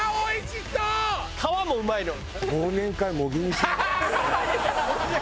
皮もうまいの。